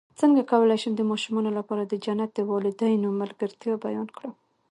څنګه کولی شم د ماشومانو لپاره د جنت د والدینو ملګرتیا بیان کړم